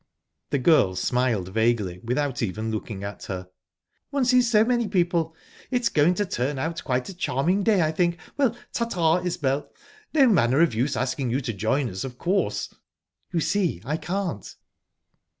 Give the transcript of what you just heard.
The girl smiled vaguely, without even looking at her. "One sees so many people. It's going to turn out a quite charming day, I think... Well, ta ta, Isbel! No manner of use asking you to join us, of course?" "You see, I can't."